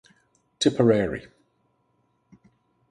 Tipperary.